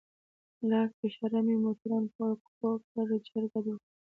د لاس په اشاره مې موټروان پوه كړ چې حركت وكړي.